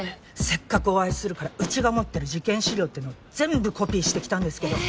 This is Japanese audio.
せっかくお会いするからうちが持ってる事件資料っていうのを全部コピーしてきたんですけど。